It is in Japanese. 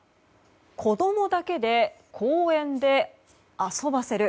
子供だけで公園で遊ばせる。